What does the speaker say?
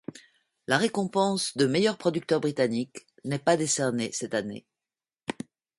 La récompense de meilleur producteur britannique n'est pas décernée cette année.